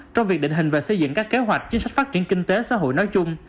trong việc định hình và xây dựng các kế hoạch chính sách phát triển kinh tế xã hội nói chung